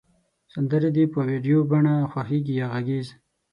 سندری د په ویډیو بڼه خوښیږی یا غږیز